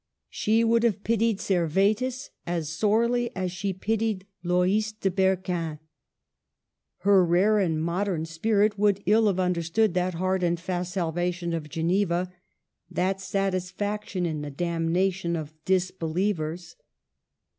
She would have pitied Servetus as sorely as she pitied Loys de Berquin. Her rare and modern spirit would ill have understood that hard and fast salvation of Geneva, that sat isfaction in the damnation of disbelievers.